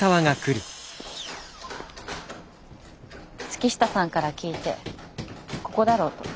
月下さんから聞いてここだろうと。